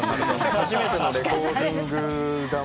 初めてのレコーディングが。